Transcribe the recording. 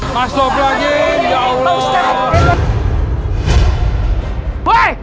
masuk lagi ya allah